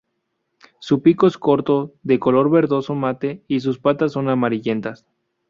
Su pico es corto, de color verdoso mate, y sus patas son amarillentas.